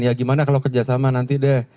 ya gimana kalau kerjasama nanti deh